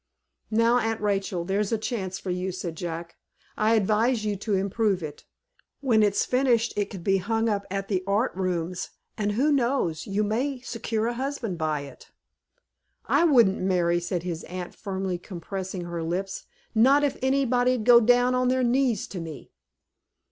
"Now, Aunt Rachel, there's a chance for you," said Jack. "I advise you to improve it. When it's finished, it can be hung up at the Art Rooms, and who knows but you may secure a husband by it?" "I wouldn't marry," said his aunt, firmly compressing her lips, "not if anybody'd go down on their knees to me."